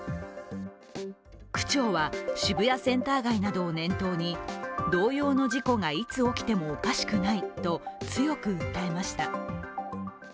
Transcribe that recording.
区長は渋谷センター街などを念頭に同様の事故がいつ起きてもおかしくないと強く訴えました。